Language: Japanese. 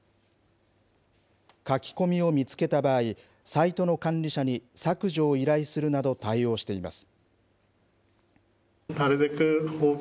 書き込みを見つけた場合、サイトの管理者に削除を依頼するなど対応しています。